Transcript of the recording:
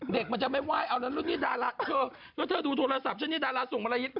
เด็กมันจะไม่ไหว้เอาแล้วเรื่องนี้ดาราเธอแล้วเธอดูโทรศัพท์ฉันนี่ดาราส่งมารยิตไหม